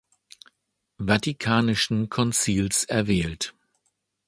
Vatikanischen Konzils erwählt.